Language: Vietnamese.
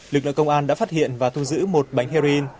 lực lượng công an đã phát hiện và thu giữ một bánh heroin